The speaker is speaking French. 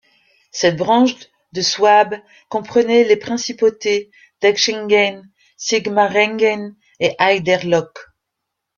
Cette branche de Souabe comprenait les principautés d'Hechingen, Sigmaringen et Haigerloch.